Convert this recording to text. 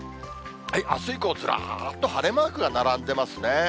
あす以降、ずらっと晴れマークが並んでますね。